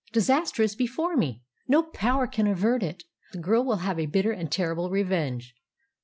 Disaster is before me. No power can avert it. The girl will have a bitter and terrible revenge."